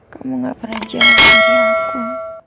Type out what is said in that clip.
kamu gak pernah jaga malam aku